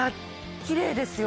きれいですよ